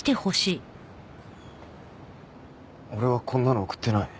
俺はこんなの送ってない。